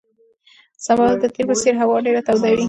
سبا به د تېر په څېر هوا ډېره توده وي.